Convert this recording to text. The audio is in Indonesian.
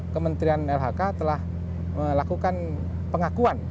kementerian lhk telah melakukan pengakuan